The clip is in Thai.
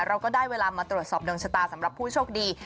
เราก็ได้เวลามาตรวจสอบดวงชะตาสำหรับผู้โชคดี